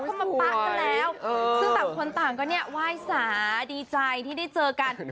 เขามาป๊ะกันแล้วซึ่งต่างต่างก็ไหว้สาดีใจที่ได้เจอกัน